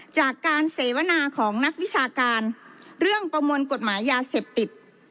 จากการเสวนาของนักวิชาการเรื่องประมวลกฎหมายยาเสพติด